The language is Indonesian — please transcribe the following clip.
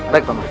baik pak mak